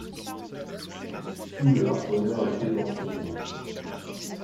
Tout le harponneur était dans ce mot.